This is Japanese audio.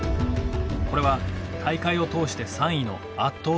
これは大会を通して３位の圧倒的な数字。